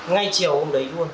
ngay chiều hôm đấy luôn